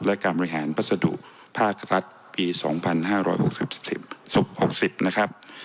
และการบริหารพัสดุภาครัฐปี๒๕๖๐ศพ๖๐นะครับ